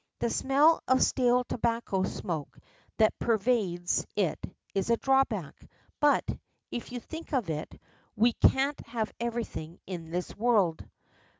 The smell of stale tobacco smoke that pervades it is a drawback, but, if you think of it, we can't have everything in this world.